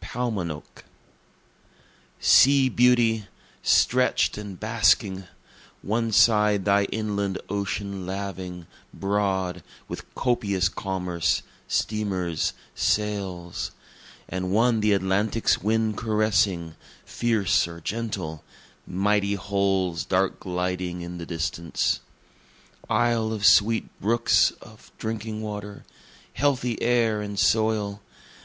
Paumanok Sea beauty! stretch'd and basking! One side thy inland ocean laving, broad, with copious commerce, steamers, sails, And one the Atlantic's wind caressing, fierce or gentle mighty hulls dark gliding in the distance. Isle of sweet brooks of drinking water healthy air and soil!